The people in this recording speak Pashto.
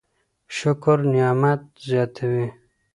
شکر نعمت زياتوي.